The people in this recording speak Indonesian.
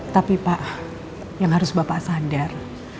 tapi pak yang harus bapak sadar